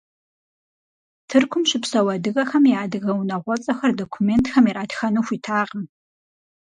Тыркум щыпсэу адыгэхэм я адыгэ унагъуэцӀэхэр документхэм иратхэну хуитакъым.